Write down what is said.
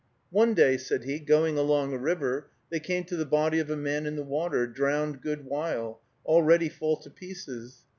"One day," said he, "going along a river, they came to the body of a man in the water, drowned good while, all ready fall to pieces.